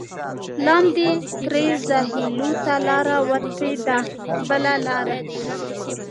لاندې ترې زاخېلو ته لاره وتې ده بله لاره.